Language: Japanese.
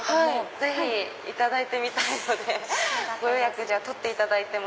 ぜひいただいてみたいのでご予約取っていただいて。